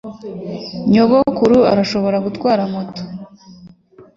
Nyogokuru arashobora gutwara moto.